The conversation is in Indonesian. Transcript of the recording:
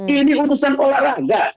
ini urusan olahraga